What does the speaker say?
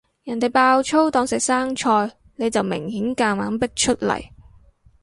人哋爆粗當食生菜，你就明顯夾硬逼出嚟